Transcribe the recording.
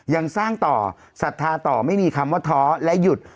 ยังสร้างต่อศรัทธาต่อไม่มีคำว่าท้อและหยุด